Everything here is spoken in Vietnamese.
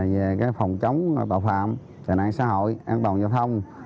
về phòng chống tội phạm tài nạn xã hội an toàn giao thông